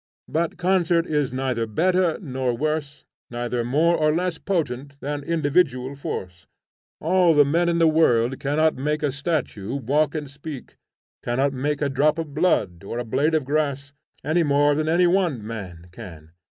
But concert is neither better nor worse, neither more nor less potent than individual force. All the men in the world cannot make a statue walk and speak, cannot make a drop of blood, or a blade of grass, any more than one man can.